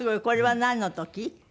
これはなんの時？